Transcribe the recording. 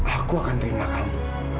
aku akan terima kamu